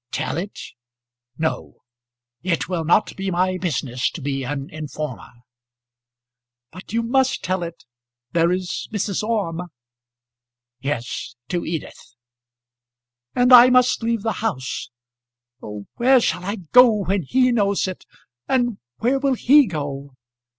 "Tell it; no. It will not be my business to be an informer." "But you must tell it. There is Mrs. Orme." "Yes: to Edith!" "And I must leave the house. Oh, where shall I go when he knows it? And where will he go?"